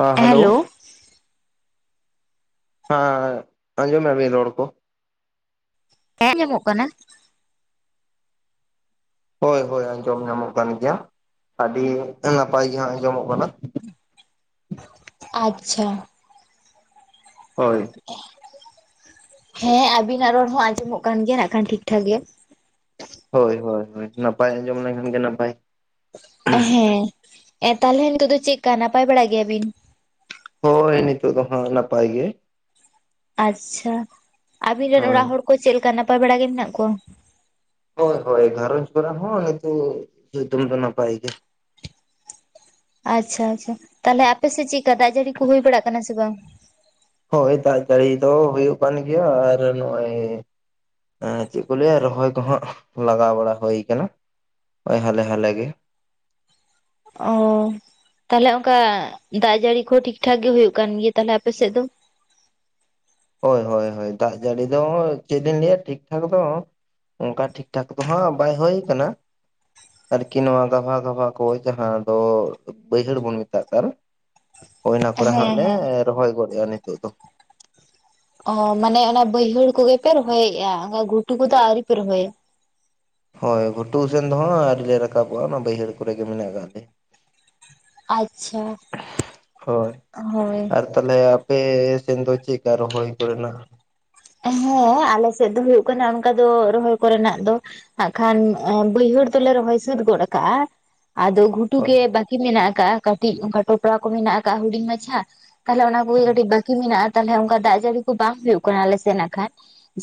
ᱦᱮᱸ ᱦᱮᱞᱳ ᱦᱮᱸ ᱟᱸᱡᱚᱢ ᱢᱮᱭᱟᱵᱤᱱ ᱨᱚᱲ ᱠᱚ ᱦᱮᱸ ᱟᱡᱚᱢᱚᱜ ᱠᱟᱱᱟ᱾ ᱦᱳᱭ ᱦᱳᱭ ᱟᱸᱡᱚᱢ ᱧᱟᱢᱚᱜ ᱠᱟᱱ ᱜᱮᱭᱟ ᱟᱹᱰᱤ ᱱᱟᱯᱟᱭ ᱜᱮ ᱦᱟᱸᱜ ᱟᱸᱡᱚᱢᱚᱜ ᱠᱟᱱᱟ᱾ ᱟᱪᱪᱷᱟ ᱦᱳᱭ ᱦᱮᱸ ᱟᱵᱤᱱᱟᱜ ᱨᱚᱲ ᱦᱚᱸ ᱟᱸᱡᱚᱢᱚᱜ ᱠᱟᱱ ᱜᱮᱭᱟ ᱱᱟᱜ ᱠᱷᱟᱱ ᱴᱷᱤᱠᱼᱴᱷᱟᱠ ᱜᱮ- ᱦᱳᱭ ᱦᱳᱭ ᱦᱳᱭ ᱱᱟᱯᱟᱭ ᱟᱸᱡᱚᱢ ᱞᱮᱱᱠᱷᱟᱱ ᱜᱮ ᱱᱟᱯᱟᱭ ᱦᱮᱸ ᱛᱟᱦᱚᱞᱮ ᱱᱤᱛᱚᱜ ᱫᱚ ᱪᱮᱫᱠᱟ ᱱᱟᱯᱟᱭ ᱵᱟᱲᱟ ᱜᱮᱭᱟ ᱵᱤᱱ ᱛᱚ ᱦᱳᱭ ᱱᱤᱛᱚᱜ ᱫᱚ ᱦᱟᱸᱜ ᱱᱟᱯᱟᱭ ᱜᱮ ᱟᱪᱪᱷᱟ ᱟᱵᱤᱱ ᱨᱮᱱ ᱦᱳᱭ ᱚᱲᱟᱜ ᱦᱚᱲ ᱠᱚ ᱪᱮᱫ ᱞᱮᱠᱟ ᱱᱟᱯᱟᱭ ᱵᱟᱲᱟ ᱜᱮ ᱢᱮᱱᱟᱜ ᱠᱚᱣᱟ ᱦᱳᱭ ᱦᱳᱭ ᱜᱷᱟᱨᱚᱡᱽ ᱠᱚᱨᱮ ᱦᱚᱸ ᱱᱤᱛᱚᱜ ᱡᱷᱚᱛᱚᱢ ᱫᱚ ᱱᱟᱯᱟᱭ ᱜᱮ ᱟᱪᱪᱷᱟ ᱟᱪᱪᱷᱟ ᱛᱟᱦᱚᱞᱮ ᱟᱯᱮᱥᱮᱫ ᱪᱮᱫᱠᱟ ᱫᱟᱜ ᱡᱟᱹᱲᱤ ᱠᱚ ᱦᱩᱭ ᱵᱟᱲᱟᱜ ᱠᱟᱱᱟ ᱥᱮ ᱵᱟᱝ ᱦᱳᱭ ᱫᱟᱜᱡᱟᱲᱤ ᱫᱚ ᱦᱳᱭᱳᱜ ᱠᱟᱱ ᱜᱮᱭᱟ ᱟᱨ ᱱᱚᱜᱼᱚᱭ ᱮᱸ ᱪᱮᱫ ᱠᱚ ᱞᱟᱹᱭᱟ ᱨᱚᱦᱚᱭ ᱠᱚ ᱦᱟᱸᱜ ᱞᱟᱜᱟᱣ ᱵᱟᱲᱟ ᱦᱳᱭ ᱟᱠᱟᱱᱟ᱾ ᱳᱭ ᱦᱟᱞᱮ ᱦᱟᱞᱮᱜᱮ- ᱚ ᱛᱟᱦᱚᱞᱮ ᱚᱱᱠᱟ ᱫᱟᱜ ᱡᱟᱹᱲᱤ ᱠᱚᱦᱚᱸ ᱴᱷᱤᱠ ᱴᱷᱟᱠ ᱜᱮ ᱦᱩᱭᱩᱜ ᱠᱟᱱ ᱜᱮᱭᱟ ᱛᱟᱦᱚᱞᱮ ᱟᱯᱮᱥᱮᱫ ᱫᱚ- ᱦᱳᱭ ᱦᱳᱭ ᱦᱳᱭ ᱫᱟᱜ ᱡᱟᱹᱲᱤ ᱫᱚ ᱪᱮᱫ ᱞᱤᱧ ᱞᱟᱹᱭᱟ ᱴᱷᱤᱠ ᱴᱷᱟᱠ ᱫᱚ ᱚᱱᱠᱟ ᱴᱷᱤᱠ ᱴᱷᱟᱠ ᱫᱚ ᱦᱟᱸᱜ ᱵᱟᱭ ᱦᱳᱭ ᱠᱟᱱᱟ᱾ ᱟᱨᱠᱤ ᱱᱚᱣᱟ ᱜᱟᱵᱷᱟ ᱜᱟᱵᱷᱟ ᱠᱚ ᱡᱟᱦᱟᱸ ᱫᱚ ᱵᱟᱹᱭᱦᱟᱹᱲ ᱵᱚᱱ ᱢᱮᱛᱟᱜ ᱠᱟᱱ ᱦᱳᱭ ᱚᱱᱟ ᱠᱚᱨᱮ ᱦᱟᱸᱜ ᱦᱮᱸ ᱞᱮ ᱦᱮᱸ ᱨᱚᱦᱚᱭ ᱜᱚᱫᱮᱜᱼᱟ ᱱᱤᱛᱳᱜ ᱫᱚ᱾ ᱚ ᱢᱟᱱᱮ ᱚᱱᱟ ᱵᱟᱹᱭᱦᱟᱹᱲ ᱠᱚᱜᱮ ᱯᱮ ᱨᱚᱦᱚᱭᱮᱜᱼᱟ ᱜᱷᱩᱴᱩ ᱠᱚᱫᱚ ᱟᱣᱨᱤ ᱯᱮ ᱨᱚᱦᱚᱭᱟ ᱾ ᱦᱳᱭ ᱜᱷᱩᱴᱩ ᱥᱮᱱ ᱫᱚ ᱦᱟᱸᱜ ᱟᱹᱣᱨᱤ ᱞᱮ ᱨᱟᱠᱟᱵᱚᱜᱼᱟ ᱚᱱᱟ ᱵᱟᱹᱭᱦᱟᱹᱲ ᱠᱚᱨᱮ ᱜᱮ ᱢᱮᱱᱟᱜ ᱠᱟᱜ ᱞᱮᱭᱟ᱾ ᱟᱪᱪᱷᱟ ᱦᱳᱭ ᱦᱳᱭ ᱟᱨ ᱾ ᱛᱟᱦᱚᱞᱮ ᱟᱯᱮ ᱥᱮᱱ ᱫᱚ ᱪᱮᱫᱠᱟ ᱨᱚᱦᱚᱭ ᱠᱚᱨᱮᱱᱟᱜ? ᱦᱮᱸ ᱟᱞᱮ ᱥᱮᱫ ᱫᱚ ᱦᱳᱭᱳᱜ ᱠᱟᱱᱟ ᱚᱱᱠᱟ ᱫᱚ ᱨᱚᱦᱚᱭ ᱠᱚᱨᱮᱱᱟᱜ ᱫᱚ ᱦᱟᱸᱜ ᱠᱷᱟᱱ ᱵᱟᱹᱭᱦᱟᱹᱲ ᱫᱚᱞᱮ ᱨᱚᱦᱚᱭ ᱥᱟᱹᱛ ᱜᱚᱫ ᱠᱟᱜᱼᱟ, ᱟᱫᱚ ᱜᱷᱩ ᱴᱩ ᱦᱳᱭ ᱜᱮ ᱵᱟᱠᱤ ᱢᱮᱱᱟᱜ ᱟᱠᱟᱜᱼᱟ ᱠᱟᱹᱴᱤᱡ ᱚᱱᱠᱟ ᱴᱚᱯᱲᱟ ᱠᱚ ᱢᱮᱱᱟᱜ ᱟᱠᱟᱜᱼᱟ ᱦᱩᱰᱤᱧ ᱢᱟᱪᱷᱟ ᱛᱟᱦᱚᱞᱮ ᱚᱱᱟ ᱠᱚᱜᱮ ᱠᱟᱹᱴᱤᱡ ᱵᱟᱠᱤ ᱢᱮᱱᱟᱜᱼᱟ ᱛᱟᱦᱚᱞᱮ ᱚᱱᱠᱟ ᱫᱟᱜ ᱡᱟᱹᱲᱤ ᱠᱚ ᱵᱟᱝ ᱦᱩᱭᱩᱜ ᱠᱟᱱᱟ ᱟᱞᱮ ᱥᱮᱫᱱᱟᱜ ᱠᱷᱟᱡ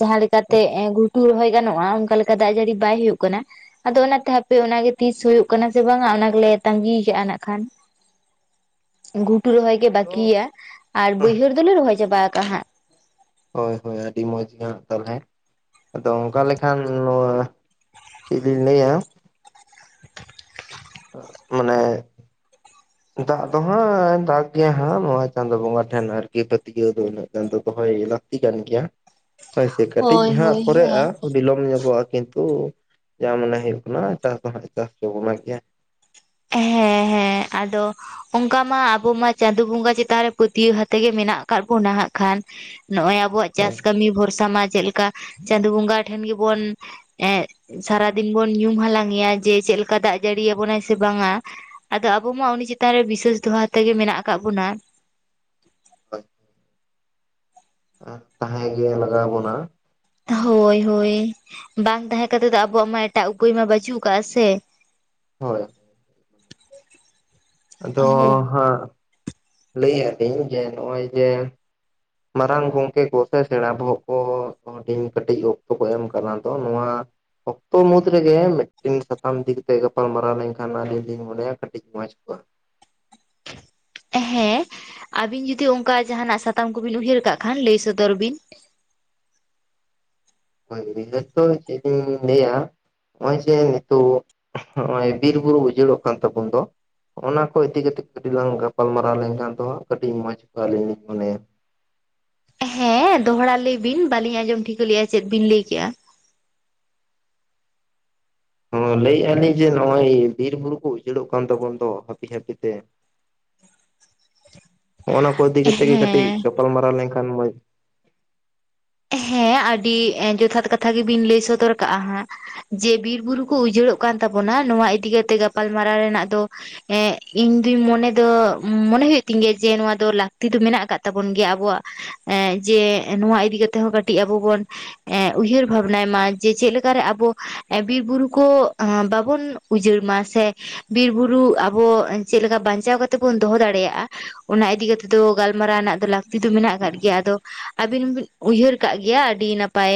ᱡᱟᱦᱟᱸ ᱞᱮᱠᱟᱛᱮ ᱜᱷᱩ ᱴᱩ ᱨᱚᱦᱚᱭ ᱜᱟᱱᱚᱜᱼᱟ ᱚᱱᱠᱟ ᱞᱮᱠᱟ ᱫᱟᱜ ᱡᱟᱹᱲᱤ ᱵᱟᱭ ᱦᱩᱭᱩᱜ ᱠᱟᱱᱟ᱾ ᱟᱫᱚ ᱚᱱᱟᱛᱮ ᱦᱟᱯᱮ ᱚᱱᱟᱜᱮ ᱛᱤᱥ ᱦᱩᱭᱩᱜ ᱠᱟᱱᱟ ᱥᱮ ᱵᱟᱝ ᱚᱱᱟ ᱜᱮᱞᱮ ᱛᱟᱸᱜᱤ ᱠᱟᱜᱼᱟ ᱱᱟᱜ ᱠᱷᱟᱱ᱾ ᱜᱷᱩᱴᱩ ᱨᱚᱦᱚᱭ ᱜᱮ ᱵᱟᱠᱤᱭᱟ ᱟᱨ ᱵᱟᱹᱭᱦᱟᱹᱲ ᱫᱚᱞᱮ ᱨᱚᱦᱚᱭ ᱪᱟᱵᱟ ᱟᱠᱟᱜ ᱦᱟᱸᱜ᱾ ᱦᱳᱭ ᱦᱳᱭ ᱟᱹᱰᱤ ᱢᱚᱡᱽ ᱜᱮ ᱦᱟᱸᱜ ᱛᱟᱦᱚᱞᱮ ᱟᱫᱚ ᱚᱱᱠᱟ ᱞᱮᱠᱷᱟᱱ ᱱᱚᱣᱟ ᱪᱮᱫ ᱞᱤᱧ ᱞᱟᱹᱭᱟ᱾ ᱢᱟᱱᱮ ᱫᱟᱜ ᱫᱚ ᱦᱟᱸᱜ ᱫᱟᱜ ᱜᱮᱭᱟ ᱦᱟᱸᱜ ᱱᱚᱣᱟ ᱪᱟᱸᱫᱳ ᱵᱚᱸᱜᱟ ᱴᱷᱮᱱ ᱟᱨᱠᱤ ᱯᱟᱹᱛᱭᱟᱹᱣ ᱫᱚ ᱩᱱᱟᱹᱜ ᱜᱟᱱ ᱫᱚ ᱫᱚᱦᱚ ᱦᱩᱭ ᱠᱟᱱᱟ᱾ ᱞᱟᱹᱠᱛᱤ ᱠᱟᱱ ᱜᱮᱭᱟ ᱦᱳᱭᱥᱮ ᱠᱟᱹᱴᱤᱡ ᱦᱳᱭ ᱦᱟᱸᱜ ᱦᱳᱭ ᱯᱚᱨᱮᱜᱼᱟ ᱦᱮᱸ ᱾ ᱵᱤᱞᱚᱢ ᱧᱚᱜᱚᱜᱼᱟ ᱠᱤᱱᱛᱩ ᱡᱟ ᱢᱚᱱᱮ ᱦᱩᱭᱩᱜ ᱠᱟᱱᱟ ᱪᱟᱥ ᱫᱚ ᱦᱟᱸᱜ ᱪᱟᱥ ᱪᱚ ᱵᱚᱱ ᱜᱮᱭᱟ᱾ ᱦᱮᱸ ᱦᱮᱸ ᱟᱫᱚ ᱚᱱᱠᱟ ᱢᱟ ᱟᱵᱚ ᱢᱟ ᱪᱟᱸᱫᱳ ᱵᱚᱸᱜᱟ ᱪᱮᱛᱟᱱ ᱨᱮ ᱯᱟᱹᱛᱭᱟᱹᱣ ᱟᱛᱮ ᱜᱮ ᱢᱮᱱᱟᱜ ᱟᱠᱟᱜ ᱵᱚᱱᱟ ᱦᱟᱸᱜ ᱠᱷᱟᱱ᱾ ᱱᱚᱜᱼᱚᱭ ᱟᱵᱚᱣᱟᱜ ᱪᱟᱥ ᱦᱳᱭ ᱠᱟᱹᱢᱤ ᱵᱷᱚᱨᱥᱟ ᱢᱟ ᱪᱮᱫ ᱞᱮᱠᱟ ᱪᱟᱸᱫᱳ ᱵᱚᱸᱜᱟ ᱴᱷᱮᱱ ᱜᱮ ᱵᱚᱱ ᱮᱸ ᱥᱟᱨᱟ ᱫᱤᱱ ᱵᱚᱱ ᱧᱩᱢ ᱦᱟᱞᱟᱝ ᱮᱭᱟ ᱡᱮ ᱪᱮᱫ ᱞᱮᱠᱟ ᱫᱟᱜ ᱡᱟᱹᱲᱤ ᱟᱵᱚᱱᱟᱭ ᱥᱮ ᱵᱟᱝᱟ ᱟᱫᱚ ᱟᱵᱚ ᱢᱟ ᱩᱱᱤ ᱪᱮᱛᱟᱱ ᱨᱮ ᱵᱤᱥᱟᱹᱮᱥ ᱫᱚᱦᱟ ᱟᱛᱮᱜᱮ ᱢᱮᱱᱟᱜ ᱟᱠᱟᱫ ᱵᱚᱱᱟ᱾ [unintelligible] ᱛᱟᱦᱮᱸ ᱜᱮ ᱞᱟᱜᱟᱣ ᱟᱵᱚᱱᱟ᱾ ᱦᱳᱭ ᱦᱳᱭ ᱾ ᱵᱟᱝ ᱛᱟᱦᱮᱸ ᱠᱟᱛᱮᱜ ᱫᱚ ᱟᱵᱚᱣᱟᱜ ᱢᱟ ᱮᱴᱟᱜ ᱩᱯᱟᱹᱭ ᱢᱟ ᱵᱟᱪᱩᱜ ᱠᱟᱜᱼᱟ ᱥᱮ ᱾ ᱦᱳᱭ ᱾ ᱟᱫᱚ ᱦᱳᱭ ᱦᱟᱸᱜ ᱞᱟᱹᱭ ᱮᱜ ᱟᱹᱞᱤᱧ ᱡᱮ ᱱᱚᱜᱼᱚᱭ ᱡᱮ ᱢᱟᱨᱟᱝ ᱜᱚᱝᱠᱮ ᱠᱚ ᱥᱮ ᱥᱮᱬᱟ ᱵᱚᱦᱚᱜ ᱠᱚ ᱦᱩᱰᱤᱧ ᱠᱟᱹᱴᱤᱡ ᱚᱠᱛᱚ ᱠᱚ ᱮᱢ ᱠᱟᱱᱟ ᱫᱚ ᱱᱚᱣᱟ ᱚᱠᱛᱚ ᱢᱩᱫᱽ ᱨᱮᱜᱮ ᱢᱤᱫᱴᱤᱱ ᱥᱟᱛᱟᱢ ᱤᱫᱤ ᱠᱟᱛᱮ ᱜᱟᱯᱟᱞ ᱢᱟᱨᱟᱣ ᱞᱮᱱᱠᱷᱟᱱ ᱟᱹᱞᱤᱧ ᱞᱤᱧ ᱢᱚᱱᱮᱭᱟ ᱠᱟᱹᱴᱤᱡ ᱢᱚᱸᱡᱽ ᱠᱚᱜᱼᱟ ᱾ ᱦᱮᱸ ᱟᱵᱤᱱ ᱡᱩᱫᱤ ᱚᱱᱠᱟ ᱡᱟᱦᱟᱱᱟᱜ ᱥᱟᱛᱟᱢ ᱠᱚᱵᱤᱱ ᱩᱭᱦᱟᱹᱨ ᱠᱟᱜ ᱠᱷᱟᱱ ᱞᱟᱹᱭ ᱥᱚᱫᱚᱨ ᱵᱤᱱ ᱾ ᱦᱳᱭ ᱱᱤᱦᱟᱹᱛ ᱫᱚ ᱪᱮᱫ ᱞᱤᱧ ᱞᱟᱹᱭᱟ? ᱦᱚᱜᱼᱚᱭ ᱡᱮ ᱱᱤᱛᱚᱜ ᱦᱚᱜᱚᱭ ᱵᱤᱨ ᱵᱩᱨᱩ ᱩᱡᱟᱹᱲᱚᱜ ᱠᱟᱱ ᱛᱟᱵᱚᱱ ᱫᱚ ᱚᱱᱟ ᱠᱚ ᱤᱫᱤ ᱠᱟᱛᱮᱜ ᱠᱟᱹᱴᱤᱡ ᱞᱟᱝ ᱜᱟᱯᱟᱞᱢᱟᱨᱟᱣ ᱞᱮᱱᱠᱷᱟᱱ ᱫᱚᱜ ᱦᱟᱸᱜ ᱠᱟᱹᱴᱤᱡ ᱢᱚᱸᱡᱽ ᱠᱚᱜᱼᱟ ᱟᱹᱞᱤᱧ ᱞᱤᱧ ᱢᱚᱱᱮᱭᱟ᱾ ᱦᱮᱸ ᱫᱚᱦᱲᱟ ᱞᱟᱹᱭ ᱵᱤᱱ ᱵᱟᱞᱤᱧ ᱟᱸᱡᱚᱢ ᱴᱷᱤᱠᱟᱹ ᱞᱮᱜᱼᱟ ᱪᱮᱫ ᱵᱤᱱ ᱞᱟᱹᱭ ᱠᱮᱜ-ᱟ᱾ ᱞᱟᱹᱭᱮᱜᱼᱟ ᱞᱤᱧ ᱡᱮ ᱦᱚᱜᱼᱚᱭ ᱵᱤᱨ ᱵᱩᱨᱩ ᱠᱚ ᱩᱪᱟᱹᱲᱚᱜ ᱠᱟᱱ ᱛᱟᱵᱚᱱ ᱫᱚ ᱦᱟᱯᱤ ᱦᱟᱯᱤ ᱛᱮ [unintelligible] ᱦᱚᱸᱜᱱᱟ ᱠᱚ ᱤᱫᱤ ᱠᱟᱛᱮᱜ ᱜᱮ ᱠᱟᱹᱴᱤᱡ ᱦᱮᱸ ᱜᱟᱯᱟᱞ ᱜᱟᱯᱟᱞᱢᱟᱨᱟᱣ ᱞᱮᱱᱠᱷᱟᱱ ᱢᱚᱡᱽ ᱦᱮᱸ ᱟᱹᱰᱤ ᱡᱚᱛᱷᱟᱛ ᱠᱟᱛᱷᱟ ᱜᱮᱵᱤᱱ ᱞᱟᱹᱭ ᱥᱚᱫᱚᱨ ᱠᱟᱜᱼᱟ ᱦᱟᱸᱜ ᱾ ᱡᱮ ᱵᱤᱨ ᱵᱩᱨᱩ ᱠᱚ ᱩᱡᱟᱹᱲᱚᱜ ᱠᱟᱱ ᱛᱟᱵᱚᱱᱟ ᱱᱚᱣᱟ ᱤᱫᱤ ᱠᱟᱛᱮ ᱜᱟᱯᱟᱞᱢᱟᱨᱟᱣ ᱨᱮᱱᱟᱜ ᱫᱚ ᱮᱸᱜ ᱤᱧ ᱫᱩᱧ ᱢᱚᱱᱮ ᱫᱚ ᱢᱚᱱᱮ ᱦᱩᱭᱩᱜ ᱛᱤᱧ ᱜᱮᱭᱟ ᱡᱮ ᱱᱚᱣᱟ ᱫᱚ ᱞᱟᱹᱠᱛᱤ ᱫᱚ ᱢᱮᱱᱟᱜ ᱟᱠᱟᱫ ᱛᱟᱵᱚᱱ ᱜᱮᱭᱟ ᱟᱵᱚᱣᱟᱜ ᱾ ᱮᱸᱜ ᱡᱮ ᱱᱚᱣᱟ ᱤᱫᱤ ᱠᱟᱛᱮᱜ ᱦᱚᱸ ᱠᱟᱹᱴᱤᱡ ᱟᱵᱚ ᱵᱚᱱ ᱮᱜ ᱩᱭᱦᱟᱹᱨ ᱵᱷᱟᱵᱱᱟᱭ ᱢᱟ ᱡᱮ ᱪᱮᱫ ᱞᱮᱠᱟᱨᱮ ᱟᱵᱚ ᱵᱤᱨ ᱵᱩᱨᱩ ᱠᱚ ᱵᱟᱵᱚᱱ ᱩᱡᱟᱹᱲ ᱢᱟ ᱥᱮ ᱵᱤᱨᱵᱩᱨᱩ ᱟᱵᱚ ᱪᱮᱫ ᱞᱮᱠᱟ ᱵᱟᱧᱪᱟᱣ ᱠᱟᱛᱮᱫ ᱵᱚᱱ ᱫᱚᱦᱚ ᱫᱟᱲᱮᱭᱟᱜᱼᱟ᱾ ᱚᱱᱟ ᱤᱫᱤ ᱠᱟᱛᱮᱜ ᱫᱚ ᱜᱟᱞᱢᱟᱨᱟᱣ ᱨᱮᱱᱟᱜ ᱫᱚ ᱞᱟᱹᱠᱛᱤ ᱫᱚ ᱢᱮᱱᱟᱜ ᱟᱠᱟᱫ ᱜᱮᱭᱟ ᱟᱫᱚ ᱟᱹᱵᱤᱱ ᱦᱚᱵᱤᱱ ᱩᱭᱦᱟᱹᱨ ᱠᱟᱜ ᱜᱮᱭᱟ ᱟᱹᱰᱤ ᱱᱟᱯᱟᱭ᱾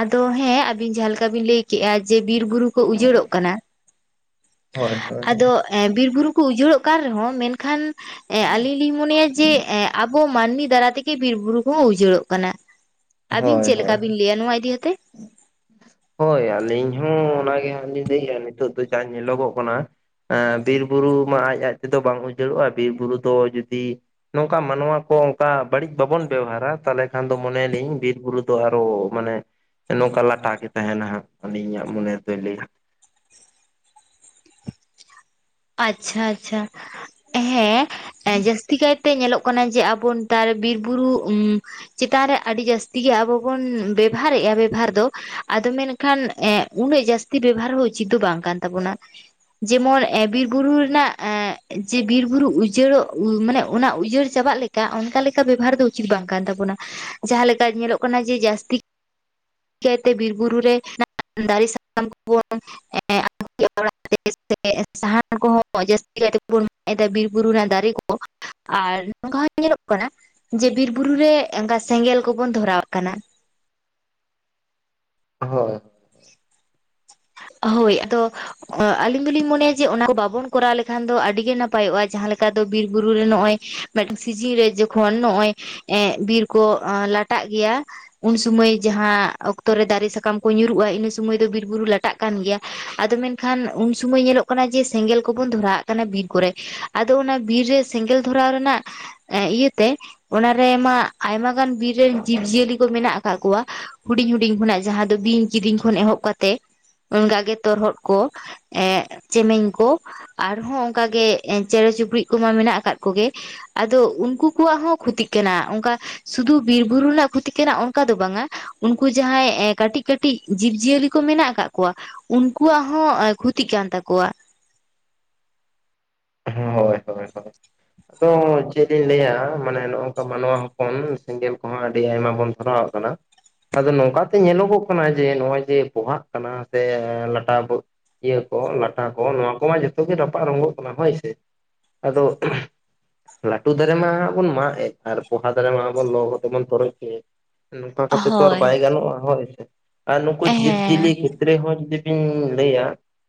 ᱟᱫᱚ ᱦᱮᱸ ᱟᱵᱤᱱ ᱡᱟᱦᱟᱸ ᱞᱮᱠᱟ ᱵᱤᱱ ᱞᱟᱹᱭᱠᱮᱜᱼᱟ ᱡᱮ ᱵᱤᱨ ᱵᱩᱨᱩ ᱠᱚ ᱩᱡᱟᱹᱲᱚᱜ ᱠᱟᱱᱟ᱾ ᱦᱳᱭ ᱦᱳᱭ ᱟᱫᱚ ᱦᱳᱭ᱾ ᱵᱤᱨ ᱵᱩᱨᱩ ᱠᱚ ᱩᱡᱟᱹᱲᱚᱜ ᱠᱟᱱ ᱨᱮᱦᱚᱸ ᱢᱮᱱᱠᱷᱟᱱ ᱮᱸᱜ ᱟᱞᱤᱧ ᱞᱤᱧ ᱢᱚᱱᱮᱭᱟ ᱡᱮ ᱟᱵᱚ ᱢᱟᱹᱱᱢᱤ ᱫᱟᱨᱟ ᱛᱮ ᱵᱤᱨ ᱵᱩᱨᱩ ᱠᱚ ᱦᱚᱸ ᱩᱡᱟᱹᱲᱚᱜ ᱠᱟᱱᱟ ᱟᱵᱤᱱ ᱦᱳᱭ ᱪᱮᱫ ᱞᱮᱠᱟ ᱦᱳᱭ ᱵᱤᱱ ᱞᱟᱹᱭᱟ ᱱᱚᱣᱟ ᱤᱫᱤ ᱠᱟᱛᱮᱜ? ᱦᱳᱭ ᱟᱹᱞᱤᱧ ᱦᱚᱸ ᱚᱱᱟᱜᱮ ᱦᱟᱸᱜ ᱞᱤᱧ ᱞᱟᱹᱭᱮᱫᱼᱟ ᱱᱤᱛᱚᱜ ᱫᱚ ᱡᱟ ᱧᱮᱞᱚᱜᱚᱜ ᱠᱟᱱᱟ ᱾ ᱮᱜ ᱵᱤᱨ ᱵᱩᱨᱩ ᱢᱟ ᱟᱡ ᱟᱡ ᱛᱮᱫᱚ ᱵᱟᱝ ᱩᱡᱟᱹᱲᱚᱜᱼᱟ ᱵᱤᱨ ᱵᱩᱨᱩ ᱫᱚ ᱡᱩᱫᱤ ᱱᱚᱝᱠᱟ ᱢᱟᱱᱣᱟ ᱠᱚ ᱚᱱᱠᱟ ᱵᱟᱹᱲᱤᱡ ᱵᱟᱵᱚᱱ ᱵᱮᱣᱦᱟᱨᱟ ᱛᱟᱦᱚᱞᱮ ᱠᱷᱟᱱ ᱫᱚ ᱢᱚᱱᱮᱭᱟᱞᱤᱧ ᱵᱤᱨ ᱵᱩᱨᱩ ᱫᱚ ᱟᱨᱚ ᱢᱟᱱᱮ ᱱᱚᱝᱠᱟ ᱞᱟᱴᱟ ᱜᱮ ᱛᱟᱦᱮᱱᱟ ᱦᱟᱸᱜ ᱟᱞᱤᱧᱟᱹᱜ ᱢᱚᱱᱮ ᱫᱚᱭ ᱞᱟᱹᱭᱟ᱾ ᱟᱪᱪᱷᱟ ᱟᱪᱪᱷᱟ᱾ ᱦᱮᱸ ᱡᱟᱹᱥᱛᱤ ᱠᱟᱭᱛᱮ ᱧᱮᱞᱚᱜ ᱠᱟᱱᱟ ᱡᱮ ᱟᱵᱚ ᱱᱮᱛᱟᱨ ᱵᱤᱨ ᱵᱩᱨᱩ ᱩ ᱪᱮᱛᱟᱱ ᱨᱮ ᱟᱹᱰᱤ ᱡᱟᱹᱥᱛᱤ ᱜᱮ ᱟᱵᱚ ᱵᱚᱱ ᱵᱮᱵᱷᱟᱨᱮᱜᱼᱟ ᱵᱮᱵᱷᱟᱨ ᱫᱚ ᱾ ᱟᱫᱚ ᱢᱮᱱᱠᱷᱟᱱ ᱮᱻ ᱩᱱᱟᱹᱜ ᱡᱟᱹᱥᱛᱤ ᱵᱮᱵᱚᱦᱟᱨ ᱦᱚᱸ ᱩᱪᱤᱛ ᱫᱚ ᱵᱟᱝ ᱠᱟᱱ ᱛᱟᱵᱚᱱᱟ ᱾ ᱡᱮᱢᱚᱱ ᱮᱻ ᱵᱤᱨ ᱵᱩᱨᱩ ᱨᱮᱱᱟᱜ ᱮᱻ ᱡᱮ ᱵᱤᱨᱼᱵᱩᱨᱩ ᱩᱡᱟᱹᱲᱚᱜ ᱢᱟᱱᱮ ᱚᱱᱟ ᱩᱡᱟᱹᱲ ᱪᱟᱵᱟᱜ ᱞᱮᱠᱟ ᱚᱱᱠᱟ ᱞᱮᱠᱟ ᱵᱮᱵᱷᱟᱨ ᱫᱚ ᱩᱪᱤᱛ ᱵᱟᱝ ᱠᱟᱱ ᱛᱟᱵᱚᱱᱟ ᱾ ᱡᱟᱦᱟᱸ ᱞᱮᱠᱟ ᱧᱮᱞᱚᱜ ᱠᱟᱱᱟ ᱡᱮ ᱡᱟᱹᱥᱛᱤ ᱠᱟᱭᱛᱮ ᱵᱤᱨ ᱵᱩᱨᱩ ᱨᱮ ᱫᱟᱨᱮ ᱥᱟᱠᱟᱢ ᱠᱚᱵᱚᱱ ᱚᱲᱟᱜ ᱥᱮ ᱥᱟᱦᱟᱱ ᱠᱚᱦᱚᱸ ᱡᱟᱥᱛᱤ ᱠᱟᱭᱛᱮᱵᱚᱱ [unintelligible] ᱵᱤᱨᱵᱩᱨᱩ ᱨᱮᱱᱟᱜ ᱫᱟᱨᱮ ᱠᱚ ᱾ ᱟᱨ ᱱᱚᱝᱠᱟ ᱦᱚᱸ ᱧᱮᱞᱚᱜ ᱠᱟᱱᱟ ᱡᱮ ᱵᱤᱨᱵᱩᱨᱮ ᱥᱮᱸᱜᱮᱞ ᱠᱚᱵᱚᱱ ᱫᱷᱚᱨᱟᱣᱟᱜ ᱠᱟᱱᱟ᱾ ᱦᱳᱭ᱾ ᱦᱳᱭ ᱟᱫᱚ ᱟᱞᱤᱧ ᱫᱚᱞᱤᱧ ᱢᱚᱱᱮᱭᱟ ᱡᱮ ᱚᱱᱟ ᱠᱚ ᱵᱟᱵᱚᱱ ᱠᱚᱨᱟᱣ ᱞᱮᱠᱷᱟᱱ ᱫᱚ ᱟᱹᱰᱤᱜᱮ ᱱᱟᱯᱟᱭᱚᱜᱼᱟ ᱡᱟᱦᱟᱸ ᱞᱮᱠᱟ ᱫᱚ ᱵᱤᱨ ᱵᱩᱨᱩ ᱨᱮ ᱱᱚᱜᱼᱚᱭ ᱢᱤᱫᱴᱟᱝ ᱥᱤᱡᱤᱱ ᱨᱮ ᱡᱚᱠᱷᱚᱱ ᱱᱚᱜᱼᱚᱭ ᱮᱻ ᱵᱤᱨ ᱠᱚ ᱞᱟᱴᱟᱜ ᱜᱮᱭᱟ᱾ ᱩᱱ ᱥᱩᱢᱚᱭ ᱡᱟᱦᱟᱸ ᱚᱠᱛᱚ ᱨᱮ ᱫᱟᱨᱮ ᱥᱟᱠᱟᱢ ᱠᱚ ᱧᱩᱨᱩᱜᱼᱟ ᱤᱱᱟᱹ ᱥᱩᱢᱚᱭ ᱫᱚ ᱵᱤᱨ ᱵᱩᱨᱩ ᱞᱟ ᱴᱟᱜ ᱠᱟᱱ ᱜᱮᱭᱟ ᱟᱫᱚ ᱢᱮᱱᱠᱷᱟᱱ ᱩᱱ ᱥᱩᱢᱟᱹᱭ ᱧᱮᱞᱚᱜ ᱠᱟᱱᱟ ᱡᱮ ᱥᱮᱸᱜᱮᱞ ᱠᱚᱵᱚᱱ ᱫᱷᱚᱨᱟᱣᱟᱜ ᱠᱟᱱᱟ ᱵᱤᱨ ᱠᱚᱨᱮ᱾ ᱟᱫᱚ ᱚᱱᱟ ᱵᱤᱨ ᱨᱮ ᱥᱮᱸᱜᱮᱞ ᱫᱷᱚᱨᱟᱣ ᱨᱮᱱᱟᱜ ᱤᱭᱟᱹ ᱛᱮ ᱚᱱᱟ ᱨᱮ ᱢᱟ ᱟᱭᱢᱟ ᱜᱟᱱ ᱵᱤᱨ ᱨᱮᱱ ᱡᱤᱵᱽ ᱡᱤᱭᱟᱹᱞᱤ ᱠᱚ ᱢᱮᱱᱟᱜ ᱟᱠᱟᱫ ᱠᱚᱣᱟ᱾ ᱦᱩᱰᱤᱧ ᱦᱩᱰᱤᱧ ᱠᱷᱚᱱᱟᱜ ᱡᱟᱦᱟᱸ ᱫᱚ ᱵᱤᱧ ᱠᱤᱫᱤᱧ ᱠᱷᱚᱱ ᱮᱦᱚᱵ ᱠᱟᱛᱮᱫ ᱚᱱᱠᱟ ᱜᱮ ᱛᱚᱨᱦᱚᱫ ᱠᱚ ᱮᱸᱜ ᱪᱮᱢᱮᱧ ᱠᱚ ᱾ ᱟᱨᱦᱚᱸ ᱚᱱᱠᱟ ᱜᱮ ᱪᱮᱬᱮ ᱪᱤᱯᱲᱩᱫ ᱠᱚᱢᱟ ᱢᱮᱱᱟᱜ ᱟᱠᱟᱫ ᱠᱚᱜᱮ ᱾ ᱟᱫᱚ ᱩᱱᱠᱩ ᱠᱚᱣᱟᱜ ᱦᱚᱸ ᱠᱷᱚᱛᱤᱜ ᱠᱟᱱᱟ ᱚᱱᱠᱟ ᱥᱩᱫᱩ ᱵᱤᱨᱵᱩᱨᱩ ᱨᱮᱱᱟᱜ ᱠᱷᱚᱛᱤ ᱠᱟᱱᱟ ᱚᱱᱠᱟ ᱫᱚ ᱵᱟᱝᱟ᱾ ᱩᱱᱠᱩ ᱡᱟᱦᱟᱸᱭ ᱮᱻ ᱠᱟᱹᱴᱤᱡ ᱠᱟᱹᱴᱤᱡ ᱡᱤᱵᱽ ᱡᱤᱭᱟᱹᱞᱤ ᱠᱚ ᱢᱮᱱᱟᱜ ᱟᱠᱟᱫ ᱠᱚᱣᱟ, ᱩᱱᱠᱩᱣᱟᱜ ᱦᱚᱸ ᱮᱸ ᱠᱷᱩᱛᱤᱜ ᱠᱟᱱ ᱛᱟᱠᱚᱣᱟ᱾ ᱦᱳᱭ ᱦᱳᱭ ᱦᱳᱭ ᱛᱚ ᱪᱮᱫ ᱤᱧ ᱞᱟᱹᱭᱟ ᱢᱟᱱᱮ ᱱᱚᱜ ᱱᱚᱠᱟ ᱢᱟᱱᱣᱟ ᱦᱚᱯᱚᱱ ᱥᱮᱸᱜᱮᱞ ᱠᱚᱦᱚᱸ ᱟᱹᱰᱤ ᱟᱭᱢᱟ ᱵᱚᱱ ᱫᱷᱚᱨᱟᱣ ᱟᱜ ᱠᱟᱱᱟ᱾ ᱟᱫᱚ ᱱᱚᱝᱠᱟᱛᱮ ᱧᱮᱞᱚᱜᱚᱜ ᱠᱟᱱᱟ ᱡᱮ ᱱᱚᱜᱼᱚᱭ ᱡᱮ ᱯᱚᱦᱟᱜ ᱠᱟᱱᱟ ᱥᱮ ᱞᱟᱴᱟ ᱤᱭᱟᱹ ᱠᱚ ᱞᱟᱴᱟ ᱠᱚ ᱱᱚᱣᱟ ᱠᱚᱢᱟ ᱡᱚᱛᱚ ᱜᱮ ᱨᱟᱯᱟᱜ ᱨᱚᱝᱜᱚᱜ ᱠᱟᱱᱟ ᱦᱳᱭ ᱟᱫᱚ ᱞᱟᱹᱴᱩ ᱫᱟᱨᱮ ᱢᱟ ᱦᱟᱜ ᱵᱚᱱ ᱢᱟᱜ ᱮᱫ ᱟᱨ ᱯᱚᱦᱟ ᱫᱟᱨᱮ ᱢᱟ ᱵᱚᱱ ᱞᱚ ᱠᱟᱛᱮ ᱵᱚᱱ ᱛᱚᱨᱚᱡ ᱚᱪᱚᱭᱮᱫ ᱾ ᱱᱚᱝᱠᱟ ᱠᱟᱛᱮ ᱛᱚ ᱟᱨ ᱦᱳᱭ ᱵᱟᱭ ᱜᱟᱱᱚᱜ-ᱟ ᱦᱳᱭ ᱥᱮ ᱟᱨ ᱱᱩᱠᱩ ᱡᱤᱵᱽ ᱡᱤᱭᱟᱹᱞᱤ ᱦᱮᱸ ᱠᱷᱮᱛᱨᱮ ᱦᱚᱸ ᱡᱩᱫᱤ ᱤᱧ ᱞᱟᱹᱭᱟ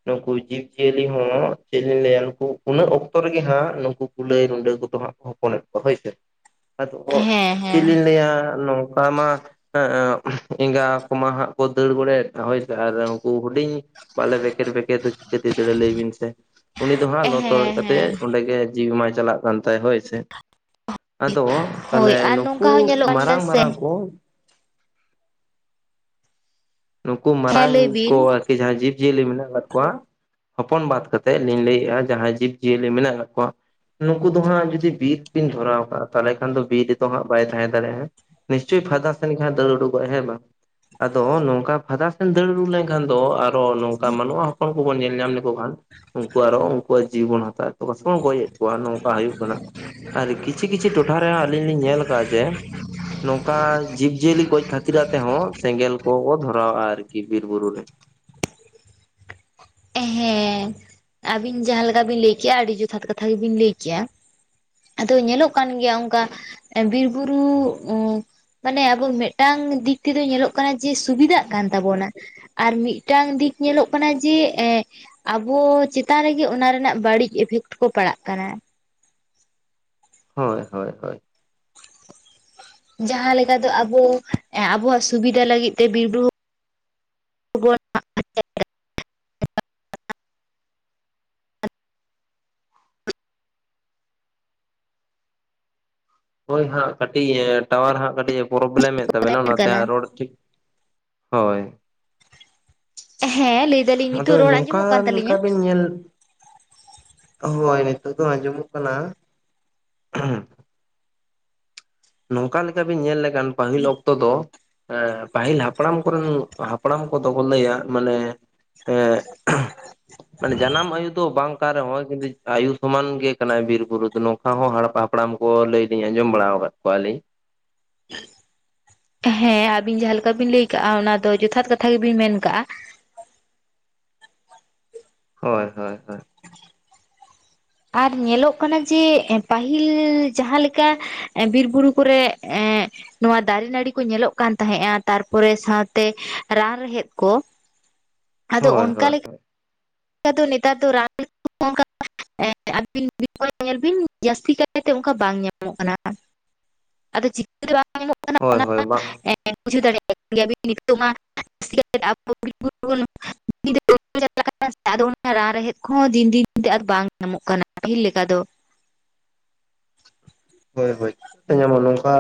ᱱᱩᱠᱩ ᱡᱤᱵᱽ ᱡᱤᱭᱟᱹᱞᱤ ᱦᱚᱸ ᱪᱮᱫ ᱞᱤᱧ ᱞᱟᱹᱭᱟ ᱱᱩᱠᱩ ᱩᱱᱟᱹᱜ ᱚᱠᱛᱚ ᱨᱮᱜᱮ ᱦᱟᱸᱜ ᱱᱩᱠᱩ ᱠᱩᱞᱟᱹᱭ ᱨᱩᱰᱟᱹ ᱠᱚᱫᱚ ᱦᱟᱸᱜ ᱠᱚ ᱦᱚᱯᱚᱱ ᱮᱫ ᱠᱚᱣᱟ ᱦᱳᱭ ᱥᱮ ᱾ ᱟᱫᱚ ᱠᱚ ᱦᱮᱸ ᱪᱮᱫ ᱦᱮᱸ ᱞᱤᱧ ᱞᱟᱹᱭᱟ ᱱᱚᱝᱠᱟ ᱢᱟ ᱮᱸᱜᱟ ᱠᱚ ᱢᱟ ᱦᱟᱸᱜ ᱠᱚ ᱫᱟᱹᱲ ᱵᱟᱲᱟᱭᱟ ᱦᱳᱭ ᱥᱮ ᱟᱨ ᱩᱱᱠᱩ ᱦᱩᱰᱤᱧ ᱵᱟᱞᱮ ᱵᱮᱠᱮᱨ ᱵᱮᱠᱮᱨ ᱫᱚ ᱪᱤᱠᱟᱹᱛᱮ ᱫᱟᱹᱲᱟ ᱞᱟᱹᱭ ᱵᱤᱱ ᱥᱮ ᱩᱱᱤ ᱫᱚ ᱦᱟᱸᱜ ᱛᱚᱨᱚᱡ ᱦᱮᱸ ᱦᱮᱸ ᱠᱟᱛᱮᱫ ᱚᱸᱰᱮᱜᱮ ᱡᱤᱣᱤ ᱢᱟ ᱪᱟᱞᱟᱜ ᱠᱟᱱ ᱛᱟᱭ ᱦᱳᱭ ᱥᱮ ᱾ ᱟᱫᱚ ᱦᱳᱭ ᱛᱟᱦᱚᱞᱮ ᱟᱨ ᱱᱚᱝᱠᱟ ᱱᱩᱠᱩ ᱦᱚᱸ ᱧᱮᱞᱚᱜ ᱠᱟᱱ ᱜᱮᱭᱟ ᱢᱟᱨᱟᱝ ᱥᱮ ᱢᱟᱨᱟᱝ ᱠᱚ ᱱᱩᱠᱩ ᱦᱮᱸ ᱢᱟᱨᱟᱝ ᱞᱟᱹᱭ ᱠᱚ ᱵᱤᱱ ᱟᱨᱠᱤ ᱡᱟᱦᱟᱸ ᱡᱤᱵ ᱡᱤᱭᱟᱹᱞᱤ ᱢᱮᱱᱟᱜ ᱠᱟᱫ ᱠᱚᱣᱟ ᱦᱚᱯᱚᱱ ᱵᱟᱫᱽ ᱠᱟᱛᱮᱫ ᱞᱤᱧ ᱞᱟᱹᱭᱮᱫᱼᱟ ᱡᱟᱦᱟᱸᱭ ᱡᱤᱵ ᱡᱤᱭᱟᱹᱞᱤ ᱢᱮᱱᱟᱜ ᱠᱟᱫ ᱠᱚᱣᱟ ᱱᱩᱠᱩ ᱫᱚ ᱦᱟᱸᱜ ᱡᱩᱫᱤ ᱵᱤᱨ ᱠᱤᱱ ᱫᱷᱚᱨᱟᱣ ᱠᱟᱜᱼᱟ ᱛᱟᱦᱚᱞᱮ ᱠᱷᱟᱱ ᱫᱚ ᱵᱤᱨ ᱨᱮᱫᱚ ᱦᱟᱸᱜ ᱵᱟᱭ ᱛᱟᱦᱮᱸ ᱫᱟᱲᱮᱭᱟᱜᱼᱟ ᱾ ᱱᱤᱥᱪᱚᱭ ᱯᱷᱟᱫᱟ ᱥᱮᱱ ᱜᱮ ᱦᱟᱸᱜ ᱫᱟᱹᱲ ᱩᱰᱩᱠᱚᱜᱼᱟᱭ ᱦᱮᱸ ᱵᱟᱝ ᱟᱫᱚ ᱱᱚᱝ ᱠᱟ ᱯᱷᱟᱫᱟ ᱥᱮᱱ ᱫᱟᱹᱲ ᱩᱰᱩᱜ ᱞᱮᱱᱠᱷᱟᱱ ᱫᱚ ᱟᱨᱚ ᱱᱚᱝᱠᱟ ᱢᱟᱱᱚᱣᱟ ᱦᱚᱲ ᱠᱚᱵᱚᱱ ᱧᱮᱞ ᱧᱟᱢ ᱞᱮᱠᱚ ᱠᱷᱟᱱ ᱩᱝᱠᱩ ᱟᱨᱚ ᱩᱝᱠᱩᱣᱟᱜ ᱡᱤᱣᱤ ᱵᱚᱱ ᱦᱟᱛᱟᱣᱮᱫ ᱛᱟᱠᱚᱣᱟ ᱥᱮᱵᱚᱱ ᱜᱚᱡ ᱮᱫ ᱠᱚᱣᱟ ᱱᱚᱝᱠᱟ ᱦᱩᱭᱩᱜ ᱠᱟᱱᱟ ᱾ ᱟᱨ ᱠᱤᱪᱷᱤ ᱠᱤᱪᱷᱤ ᱴᱚᱴᱷᱟ ᱨᱮ ᱟᱞᱤᱧ ᱞᱤᱧ ᱧᱮᱞ ᱠᱟᱜᱼᱟ ᱡᱮ ᱱᱚᱝᱠᱟ ᱡᱤᱵᱽ ᱡᱤᱭᱟᱹᱞᱤ ᱜᱚᱡ ᱠᱷᱟᱹᱛᱤᱨ ᱟᱛᱮ ᱦᱚᱸ ᱥᱮᱸᱜᱮᱞ ᱠᱚᱦᱚᱸ ᱵᱚ ᱫᱷᱚᱨ ᱨᱟᱣᱟᱜ-ᱟ ᱟᱨᱠᱤ ᱵᱤᱨ ᱵᱩᱨᱩ ᱨᱮ ᱾ ᱦᱮᱸ ᱟᱹᱵᱤᱱ ᱡᱟᱦᱟᱸ ᱞᱮᱠᱟ ᱵᱤᱱ ᱞᱟᱹᱭ ᱠᱮᱜ-ᱟ ᱟᱹᱰᱤ ᱡᱚᱛᱷᱟᱛ ᱠᱟᱛᱷᱟ ᱜᱮᱵᱤᱱ ᱞᱟᱹᱭ ᱠᱮᱼᱟ᱾ ᱟᱫᱚ ᱧᱮᱞᱚᱜ ᱠᱟᱱ ᱜᱮᱭᱟ ᱚᱝᱠᱟ ᱵᱤᱨᱵᱩᱨᱩ ᱢᱟᱱᱮ ᱟᱵᱚ ᱢᱤᱫᱴᱟᱝ ᱫᱤᱠ ᱛᱮᱫᱚ ᱧᱮᱞᱚᱜ ᱠᱟᱱᱟ ᱡᱮ ᱥᱩᱵᱤᱫᱟᱜ ᱠᱟᱱ ᱛᱟᱵᱚᱱᱟ᱾ ᱟᱨ ᱢᱤᱫᱴᱟᱝ ᱫᱤᱠ ᱧᱮᱞᱚᱜ ᱠᱟᱱᱟ ᱡᱮ ᱮᱸ ᱟᱵᱚ ᱪᱮᱛᱟᱱ ᱨᱮᱜᱮ ᱚᱱᱟ ᱨᱮᱱᱟᱜ ᱵᱟᱹᱲᱤᱡ ᱤᱯᱷᱮᱠᱴ ᱠᱚ ᱯᱟᱲᱟᱜ ᱠᱟᱱᱟ᱾ ᱦᱳᱭ ᱦᱳᱭ ᱦᱳᱭ᱾ ᱡᱟᱦᱟᱸ ᱞᱮᱠᱟ ᱫᱚ ᱟᱵᱚ ᱟᱵᱚᱣᱟᱜ ᱥᱩᱵᱤᱫᱷᱟ ᱞᱟᱹᱜᱤᱫ ᱛᱮ ᱵᱤᱨ ᱵᱩᱨᱩ [inaudible] ᱦᱳᱭ ᱦᱟᱸᱜ ᱠᱟᱹᱴᱤᱡ ᱴᱟᱣᱟᱨ ᱦᱟᱸᱜ ᱠᱟᱹᱴᱤᱡ ᱮ ᱯᱨᱚᱵᱞᱮᱢᱮᱫ ᱛᱟᱵᱮᱱᱟ ᱮᱢ ᱚᱱᱟᱛᱮ ᱠᱟᱱᱟ ᱦᱟᱸᱜ ᱨᱚᱲ ᱴᱷᱤᱠ ᱦᱳᱭ᱾ ᱦᱮᱸ ᱞᱮᱭ ᱟᱫᱚ ᱱᱚᱝᱠᱟ ᱞᱮᱠᱟ ᱵᱤᱱ ᱧᱮᱞ ᱦᱳᱭ ᱱᱤᱛᱳ ᱫᱚ ᱟᱸᱡᱚᱢᱚᱜ ᱠᱟᱱᱟ᱾ ᱱᱚᱝᱠᱟ ᱞᱮᱠᱟ ᱵᱤᱱ ᱧᱮᱞ ᱞᱮᱠᱷᱟᱱ ᱯᱟᱹᱦᱤᱞ ᱚᱠᱛᱚ ᱫᱚ ᱮᱸ ᱯᱟᱹᱦᱤᱞ ᱦᱟᱯᱲᱟᱢ ᱠᱚᱨᱮᱱ ᱦᱟᱯᱲᱟᱢ ᱠᱚᱫᱚ ᱠᱚ ᱞᱟᱹᱭᱟ ᱢᱟᱱᱮ ᱮᱸᱜ ᱢᱟᱱᱮ ᱡᱟᱱᱟᱢ ᱟᱭᱳ ᱫᱚ ᱵᱟᱝ ᱠᱟᱱ ᱨᱮᱦᱚᱸᱭ ᱠᱤᱱᱛᱩ ᱟᱭᱩ ᱥᱚᱢᱟᱱ ᱜᱮ ᱠᱟᱱᱟᱭ ᱵᱤᱨ ᱵᱩᱨᱩ ᱫᱚ ᱱᱚᱝᱠᱟ ᱦᱚᱸ ᱦᱟᱲᱯ ᱦᱟᱯᱲᱟᱢ ᱠᱚ ᱞᱟᱹᱭ ᱫᱩᱧ ᱟᱸᱡᱚᱢ ᱵᱟᱲᱟᱣ ᱠᱟᱫ ᱠᱚᱣᱟᱞᱤᱧ᱾ ᱦᱮᱸ ᱟᱵᱤᱱ ᱡᱟᱦᱟᱸᱞᱮᱠᱟ ᱵᱤᱱ ᱞᱟᱹᱭ ᱠᱟᱜᱼᱟ ᱚᱱᱟ ᱫᱚ ᱡᱚᱛᱷᱟᱛ ᱠᱟᱛᱷᱟ ᱜᱮᱵᱤᱱ ᱢᱮᱱ ᱠᱟᱜᱼᱟ᱾ ᱦᱳᱭ ᱦᱳᱭ ᱦᱳᱭ᱾ ᱟᱨ ᱧᱮᱞᱚᱜ ᱠᱟᱱᱟ ᱡᱮ ᱯᱟᱹᱦᱤᱞ ᱡᱟᱦᱟᱸᱞᱮᱠᱟ ᱵᱤᱨ ᱵᱩᱨᱩ ᱠᱚᱨᱮ ᱮᱸᱜ ᱱᱚᱣᱟ ᱫᱟᱨᱮ ᱱᱟᱹᱲᱤ ᱠᱚ ᱧᱮᱞᱚᱜ ᱠᱟᱱ ᱛᱟᱦᱮᱸᱜᱼᱟ ᱛᱟᱨᱯᱚᱨᱮ ᱥᱟᱶᱛᱮ ᱨᱟᱱ ᱨᱮᱦᱮᱫ ᱠᱚ᱾ ᱟᱫᱚ ᱦᱳᱭ ᱚᱱᱠᱟ ᱦᱳᱭ ᱞᱮᱠᱟ ᱫᱚ ᱱᱮᱛᱟᱨ ᱫᱚ ᱨᱟᱱ [inaudible] ᱮᱸ ᱟᱵᱤᱱ [inaudible] ᱧᱮᱞ ᱵᱤᱱ ᱡᱟᱹᱥᱛᱤ ᱠᱟᱭᱛᱮ ᱚᱝᱠᱟ ᱵᱟᱝ ᱧᱟᱢᱚᱜ ᱠᱟᱱᱟ᱾ ᱦᱳᱭ ᱦᱳᱭ ᱵᱟᱝ [inaudible] [inaudible] ᱪᱟᱞᱟᱜ ᱟᱫᱚ ᱚᱱᱟ ᱨᱟᱱ ᱨᱮᱦᱮᱫ ᱠᱚᱦᱚᱸ ᱫᱤᱱ ᱫᱤᱱ ᱛᱮ ᱵᱟᱝ ᱧᱟᱢᱚᱜ ᱠᱟᱱᱟ ᱯᱟᱹᱦᱤᱞ ᱞᱮᱠᱟ ᱫᱚ, ᱦᱳᱭ ᱦᱳᱭ, ᱪᱮᱫ ᱧᱟᱢᱚᱜᱼᱟ ᱱᱚᱝᱠᱟ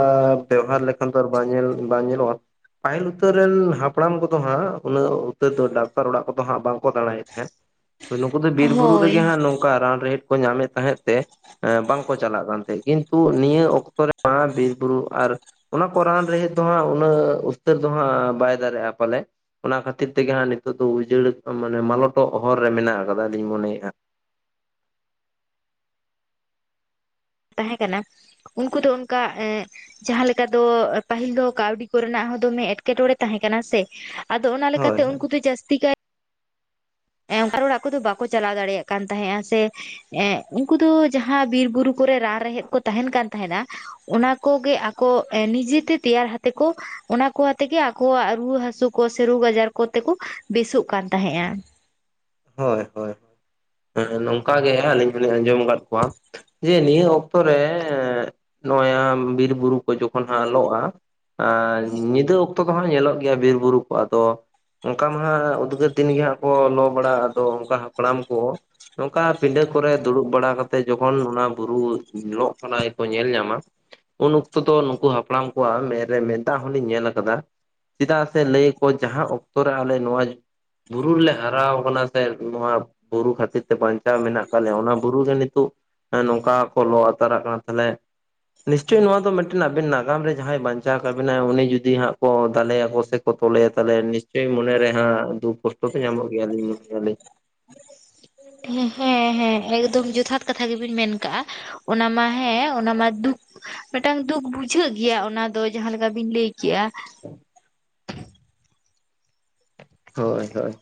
ᱵᱮᱣᱦᱟᱨ ᱞᱮᱠᱷᱟᱱ ᱫᱚ ᱟᱨ ᱵᱟᱝ ᱧᱮᱞ ᱵᱟᱝ ᱧᱮᱞᱚᱜᱼᱟ, ᱯᱟᱹᱦᱤᱞ ᱩᱛᱟᱹᱨ ᱨᱮᱱ ᱦᱟᱯᱲᱟᱢ ᱠᱚᱫᱚ ᱦᱟᱸᱜ ᱩᱱᱟᱹᱜ ᱩᱛᱟᱹᱨ ᱫᱚ ᱰᱟᱠᱛᱟᱨ ᱚᱲᱟᱜ ᱠᱚᱫᱚ ᱦᱟᱸᱜ ᱵᱟᱝᱠᱚ ᱫᱟᱬᱟᱭᱮᱫ ᱛᱟᱦᱮᱸᱫ᱾ ᱦᱮ [inaudible] ᱱᱩᱠᱩ ᱫᱚ ᱵᱤᱨ ᱵᱩᱨᱩ ᱨᱮᱜᱮ ᱦᱟᱸᱜ ᱱᱚᱝᱠᱟ ᱨᱟᱱ ᱨᱮᱦᱮᱫ ᱠᱚ ᱧᱟᱢᱮᱫ ᱛᱟᱦᱮᱸᱫ ᱛᱮ ᱮᱸ ᱵᱟᱝᱠᱚ ᱪᱟᱞᱟᱜ ᱠᱟᱱ ᱛᱟᱦᱮᱸᱫ, ᱠᱤᱱᱛᱩ ᱱᱤᱭᱟᱹ ᱚᱠᱛᱚ ᱨᱮᱢᱟ ᱵᱤᱨ ᱵᱩᱨᱩ ᱟᱨ ᱚᱱᱟ ᱠᱚ ᱨᱟᱱ ᱨᱮᱦᱮᱫ ᱫᱚᱦᱟᱸᱜ ᱩᱱᱟᱹᱜᱻ ᱩᱥᱛᱟᱹᱨ ᱫᱚ ᱦᱟᱸᱜ ᱵᱟᱭ ᱫᱟᱨᱮᱜᱼᱟ ᱯᱟᱞᱮ, ᱚᱱᱟ ᱠᱷᱟᱹᱛᱤᱨ ᱛᱮᱜᱮ ᱦᱟᱸᱜ ᱱᱤᱛᱚᱜ ᱩᱡᱟᱹᱲ ᱢᱟᱱᱮ ᱢᱟᱞᱚᱴᱚᱜ ᱦᱚᱨ ᱨᱮ ᱢᱮᱱᱟᱜ ᱟᱠᱟᱫᱟ ᱞᱤᱧ ᱢᱚᱱᱮᱠᱟᱫᱟ᱾ ᱛᱟᱦᱮᱸ ᱠᱟᱱᱟ, ᱩᱱᱠᱩ ᱫᱚ ᱚᱱᱠᱟ ᱮᱸᱜ ᱡᱟᱦᱟᱸ ᱞᱮᱠᱟ ᱫᱚᱻ ᱯᱟᱹᱦᱤᱞ ᱫᱚ ᱠᱟᱹᱣᱰᱤ ᱠᱚᱨᱮᱱᱟᱜ ᱦᱚᱸ ᱫᱚᱢᱮ ᱮᱸᱴᱠᱮᱴᱚᱬᱮ ᱛᱟᱦᱮᱸ ᱠᱟᱱᱟ ᱥᱮ, ᱟᱫᱚ ᱚᱱᱟ ᱦᱳᱭ ᱞᱮᱠᱟᱛᱮ ᱦᱳᱭ ᱩᱱᱠᱩ ᱫᱚ ᱡᱟᱹᱥᱛᱤ ᱠᱟᱭ ᱮᱢ ᱟᱨ ᱚᱲᱟᱜ ᱠᱚᱫᱚ ᱟᱠᱚ ᱫᱚ ᱵᱟᱠᱚ ᱪᱟᱞᱟᱣ ᱫᱟᱲᱮᱭᱟᱜ ᱠᱟᱱ ᱛᱟᱦᱮᱸᱫᱼᱟ ᱥᱮ, ᱮᱸᱜ ᱩᱱᱠᱩ ᱫᱚ ᱡᱟᱦᱟᱸ ᱵᱤᱨ ᱵᱩᱨᱩ ᱠᱚᱨᱮ ᱨᱟᱱ ᱨᱮᱦᱮᱫ ᱠᱚ ᱛᱟᱦᱮᱱ ᱠᱟᱱ ᱛᱟᱸᱦᱮᱫ-ᱟ ᱚᱱᱟ ᱠᱚᱜᱮ ᱟᱠᱚ ᱱᱤᱡᱮᱛᱮ ᱛᱮᱭᱟᱨ ᱦᱟᱛᱮ ᱠᱚ ᱚᱱᱟ ᱠᱚ ᱟᱛᱮᱜᱮ ᱟᱠᱚᱣᱟᱜ ᱨᱩᱣᱟᱹ ᱦᱟᱹᱥᱩ ᱠᱚ ᱥᱮ ᱨᱳᱜᱽ ᱟᱡᱟᱨ ᱠᱚᱛᱮ ᱠᱚ ᱵᱮᱥᱚᱜ ᱠᱟᱱ ᱛᱟᱦᱮᱸᱫᱼᱟ᱾ ᱦᱳᱭ ᱦᱳᱭᱺ ᱱᱚᱝᱠᱟ ᱜᱮ ᱟᱹᱞᱤᱧ ᱞᱤᱧ ᱟᱸᱡᱚᱢ ᱟᱠᱟᱫ ᱠᱚᱣᱟ, ᱡᱮ ᱱᱤᱭᱟᱹ ᱚᱠᱛᱚᱨᱮᱻ ᱱᱚᱜ-ᱚᱭ ᱦᱟᱸᱜ ᱵᱤᱨ ᱵᱩᱨᱩ ᱠᱚ ᱡᱚᱠᱷᱚᱱ ᱦᱟᱸᱜ ᱞᱚᱜᱼᱟ ᱟᱻ ᱧᱤᱸᱫᱳ ᱚᱠᱼᱼ ᱡᱚᱛᱚ ᱠᱚᱦᱚᱸ ᱧᱮᱞᱚᱜ ᱜᱮᱭᱟ ᱵᱤᱨ ᱵᱩᱨᱩ ᱠᱚ ᱟᱫᱚ, ᱚᱱᱠᱟ ᱢᱟ ᱦᱟᱸ ᱩᱫᱽᱜᱟᱹᱨ ᱫᱤᱱ ᱜᱮ ᱦᱟᱸᱜ ᱠᱚ ᱞᱚ ᱵᱟᱲᱟᱜ, ᱟᱫᱚ ᱚᱱᱠᱟᱱ ᱦᱟᱯᱲᱟᱢ ᱠᱚ, ᱱᱚᱝᱠᱟ ᱯᱤᱰᱟᱹ ᱠᱚᱨᱮ ᱫᱩᱲᱩᱵ ᱵᱟᱲᱟ ᱠᱟᱛᱮᱜ ᱡᱚᱠᱷᱚᱱ ᱚᱱᱟ ᱵᱩᱨᱩ ᱞᱚᱜ ᱠᱟᱱᱟᱠᱚ ᱜᱮᱠᱚ ᱧᱮᱞ ᱧᱟᱢᱟ ᱩᱱ ᱚᱠᱛᱚ ᱛᱚ ᱫᱚ ᱱᱩᱠᱩ ᱦᱟᱯᱲᱟᱢ ᱠᱚᱣᱟᱜ ᱢᱮᱫ ᱨᱮ ᱢᱮ ᱫᱟᱜ ᱦᱚᱸᱞᱤᱧ ᱧᱮᱞ ᱟᱠᱟᱫᱟ, ᱪᱮᱫᱟᱜ ᱥᱮ ᱞᱟᱹᱭ ᱠᱚ ᱡᱟᱦᱟᱸ ᱚᱠᱛᱚ ᱨᱮ ᱟᱞᱮ ᱱᱚᱣᱟ ᱵᱩᱨᱩ ᱨᱮ ᱞᱮ ᱦᱟᱨᱟᱣ ᱠᱟᱱᱟ ᱥᱮ ᱱᱚᱣᱟ ᱵᱩᱨᱩ ᱠᱷᱟᱹᱛᱤᱨ ᱛᱮ ᱵᱟᱧᱪᱟᱣ ᱢᱮᱱᱟᱜ ᱠᱟᱜ ᱞᱮᱭᱟ ᱚᱱᱟ ᱵᱩᱨᱩ ᱨᱮ ᱱᱤᱛᱚᱜ ᱦᱮᱸ ᱱᱚᱝᱠᱟ ᱦᱚᱸᱠᱚ ᱞᱚ ᱟᱛᱟᱨᱟᱜ ᱠᱟᱱᱟ ᱛᱟᱞᱦᱮ ᱱᱤᱥᱪᱳᱭ ᱱᱚᱣᱟ ᱫᱚ ᱢᱮᱫᱴᱮᱱ ᱟᱵᱮᱱ ᱱᱟᱜᱟᱢ ᱨᱮ ᱡᱟᱦᱟᱸᱭ ᱵᱟᱧᱪᱟᱣ ᱠᱟᱜ ᱵᱤᱱᱟᱭ ᱩᱱᱤ ᱡᱩᱫᱤ ᱦᱟᱸᱜ ᱠᱚ ᱫᱟᱞᱮ ᱭᱟᱠᱚ ᱥᱮ ᱠᱚ ᱛᱚᱞᱮᱭᱟ ᱛᱟᱞᱦᱮ ᱱᱤᱥᱪᱳᱭ ᱢᱚᱱᱮ ᱨᱮ ᱦᱟᱸᱜ ᱫᱩᱠ ᱠᱚᱥᱴᱚ ᱯᱮ ᱧᱟᱢᱚᱜ ᱜᱮᱭᱟ [unintelligible] ᱦᱮᱸ ᱦᱮᱸ ᱦᱮᱸ ᱮᱠᱫᱚᱢ ᱡᱚᱛᱷᱟᱛ ᱠᱟᱛᱷᱟ ᱜᱮ ᱵᱤᱱ ᱢᱮᱱ ᱠᱟᱜ-ᱟ, ᱚᱱᱟ ᱢᱟ ᱦᱮᱸ ᱚᱱᱟ ᱢᱟ ᱫᱩᱠ ᱢᱮᱴᱟᱝ ᱫᱩᱠ ᱵᱩᱡᱷᱟᱹᱜ ᱜᱮᱭᱟ ᱚᱱᱟ ᱫᱚ ᱡᱟᱦᱟᱸ ᱞᱮᱠᱟ ᱵᱤᱱ ᱞᱟᱹᱭ ᱠᱮᱜ-ᱟ᱾ ᱦᱚᱭ ᱦᱚᱭ᱾